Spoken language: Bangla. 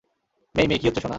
মেই-মেই, কী হচ্ছে সোনা?